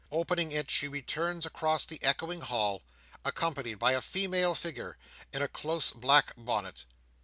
Opening it, she returns across the echoing hall, accompanied by a female figure in a close black bonnet.